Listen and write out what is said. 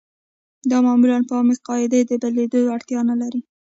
دا معمولاً په عامې قاعدې د بدلېدو وړتیا نلري.